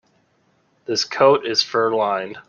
This coat is fur-lined.